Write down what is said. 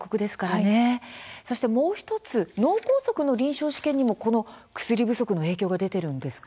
もう１つ脳梗塞の臨床試験にも薬不足の影響が出ているんですか。